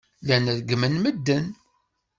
Llan reggmen medden.